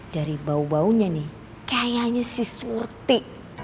dari baunya baunya nih kayaknya si surti